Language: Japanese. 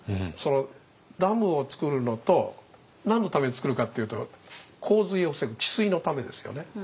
ダムを造るのと何のために造るかっていうと洪水を防ぐ治水のためですよね。